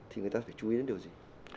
thì người ta phải chú ý đến điều gì